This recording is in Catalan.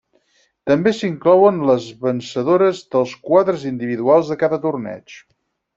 També s'inclouen les vencedores dels quadres individuals de cada torneig.